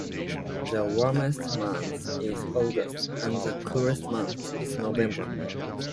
The warmest month is August and the coolest month is November.